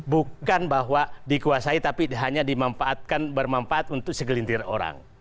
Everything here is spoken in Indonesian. bukan bahwa dikuasai tapi hanya dimanfaatkan bermanfaat untuk segelintir orang